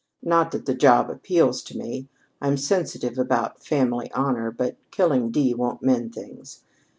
Not that the job appeals to me. I'm sensitive about family honor, but killing D. won't mend things.